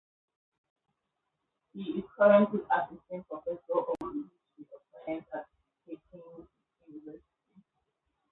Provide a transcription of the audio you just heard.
He is currently assistant professor of the history of science at Peking University.